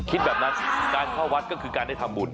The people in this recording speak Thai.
คิดแบบนั้นการเข้าวัดก็คือการได้ทำบุญ